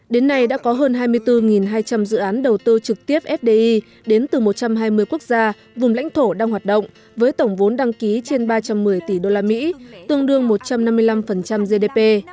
đến nay đã có hơn hai mươi bốn hai trăm linh dự án đầu tư trực tiếp fdi đến từ một trăm hai mươi quốc gia vùng lãnh thổ đang hoạt động với tổng vốn đăng ký trên ba trăm một mươi tỷ usd tương đương một trăm năm mươi năm gdp